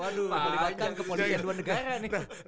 waduh kemuliaan dua negara nih